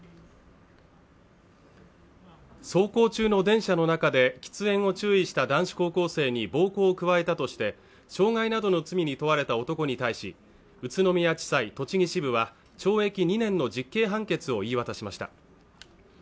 走行中の電車の中で喫煙を注意した男子高校生に暴行を加えたとして傷害などの罪に問われた男に対し宇都宮地裁栃木支部は懲役２年の実刑判決を言い渡しました。